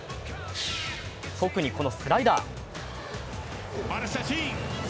特にこのスライダー。